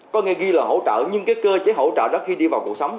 có nghe ghi là hỗ trợ nhưng cái cơ chế hỗ trợ đó khi đi vào cuộc sống